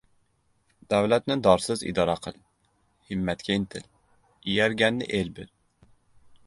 Davlatni dorsiz idora qil; himmatga intil, iyarganni el bil;